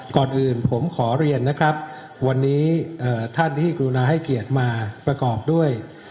ก่อนอื่นผมขอเรียนนะครับวันนี้ท่านที่กรุณาให้เกียรติมาประกอบด้วย